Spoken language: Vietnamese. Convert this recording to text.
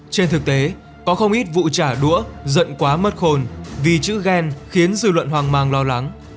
trên thực tế có không ít vụ trả đũa giận quá mất khồn vì chữ ghen khiến dư luận hoàng mang lo lắng